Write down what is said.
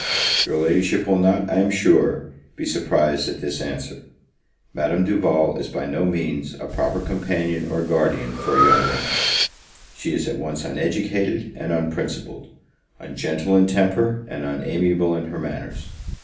Your Ladyship will not, I am sure, be surprised at this answer. Madame Duval is by no means a proper companion or guardian for a young woman: she is at once uneducated and unprincipled; ungentle in temper, and unamiable in her manners.